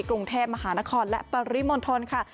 กรุงเทพมหานครและปริมณฑลค่ะ